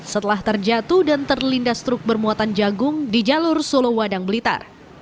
setelah terjatuh dan terlindas truk bermuatan jagung di jalur solowadang blitar